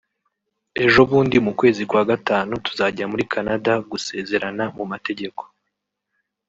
ejobundi mu kwezi kwa Gatanu tuzajya muri Canada gusezerana mu mategeko